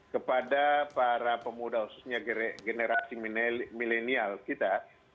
kepada para pemuda khususnya generasi milenial kita